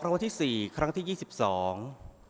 ออกรางวัลที่สี่ครั้งที่ยี่สิบสอง